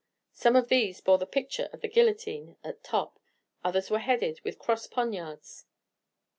Some of these bore the picture of the guillotine at top, others were headed with cross poniards.